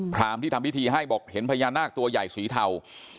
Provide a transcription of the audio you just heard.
รามที่ทำพิธีให้บอกเห็นพญานาคตัวใหญ่สีเทา